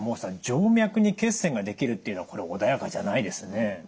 静脈に血栓が出来るっていうのはこれ穏やかじゃないですね。